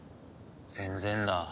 全然だ。